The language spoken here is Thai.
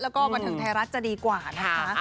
แล้วก็บันเทิงไทยรัฐจะดีกว่านะคะ